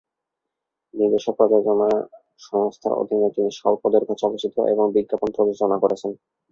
নিজস্ব প্রযোজনা সংস্থার অধীনে তিনি স্বল্পদৈর্ঘ্য চলচ্চিত্র এবং বিজ্ঞাপন প্রযোজনা করেছেন।